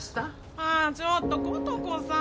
ああちょっと琴子さん。